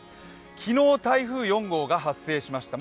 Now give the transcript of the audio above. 昨日、台風４号が発生しました。